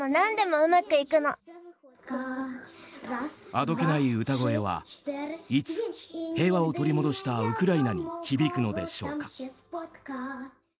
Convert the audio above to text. あどけない歌声は、いつ平和を取り戻したウクライナに響くのでしょうか。